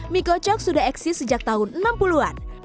mie kocok sudah eksis sejak tahun enam puluh an